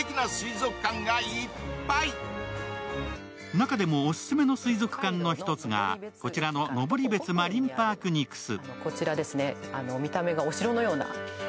中でもオススメの水族館の１つがこちらの登別マリンパークニクス。